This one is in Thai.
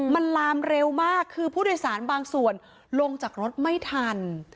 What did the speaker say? มันลามเร็วมากคือผู้โดยสารบางส่วนลงจากรถไม่ทัน